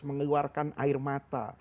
mengeluarkan air mata